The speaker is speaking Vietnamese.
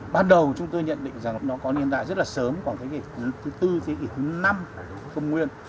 ban đầu chúng tôi nhận định rằng nó có niên đại rất sớm khoảng thế kỷ thứ tư thế kỷ thứ năm công nguyên